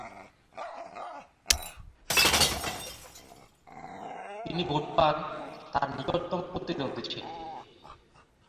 তিনি ভোট পান, তার নিকটতম প্রতিদ্বন্দ্বী ছিল।